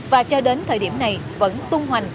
và cho đến thời điểm này vẫn tung hoành